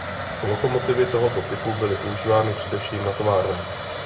Lokomotivy tohoto typu byly používány především na továrnách.